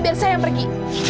biar saya yang pergi